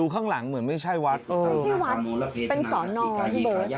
คือมันจะช่วยเลิศนี่